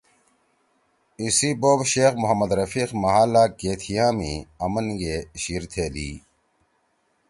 ایِسی بوپ شیخ محمدرفیق محلہ کھیتیاں می آمنگے شیِر تھیلی